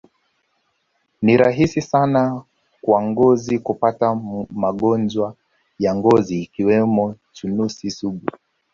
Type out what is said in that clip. Ni rahisi sana kwa ngozi kupata magonjwa ya ngozi ikiwemo chunusi sugu